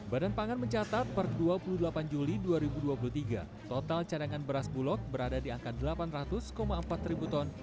badan pangan mencatat per dua puluh delapan juli dua ribu dua puluh tiga total cadangan beras bulog berada di angka delapan ratus empat ribu ton